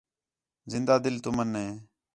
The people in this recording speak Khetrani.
زندہ دِل تُمن ہِے